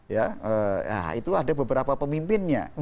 ya itu ada beberapa pemimpinnya